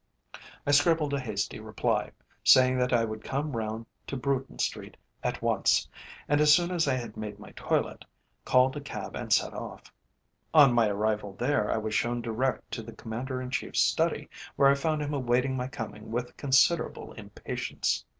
I scribbled a hasty reply, saying that I would come round to Bruton Street at once, and as soon as I had made my toilet, called a cab and set off. On my arrival there I was shown direct to the Commander in Chief's study, where I found him awaiting my coming with considerable impatience.